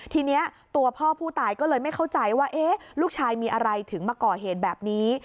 ทีนี้ตัวพ่อผู้ตายก็เลยไม่เข้าใจว่าลูกชายมีอะไรถึงมาก่อเหตุแบบนี้